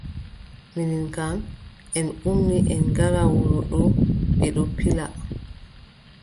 Minin kam en ummi en ngara wuro ɗo. bee ɗon pila.